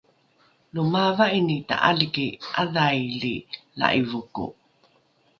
lo maava’ini ta’aliki ’adhaili la’ivoko